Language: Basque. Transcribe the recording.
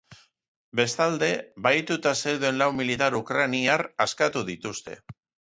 Bestalde, bahituta zeuden lau militar ukrainar askatu dituzte.